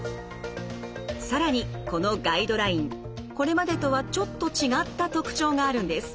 更にこのガイドラインこれまでとはちょっと違った特徴があるんです。